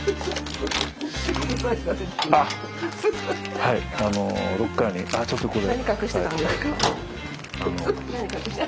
はいあのロッカーにあっちょっとこれ。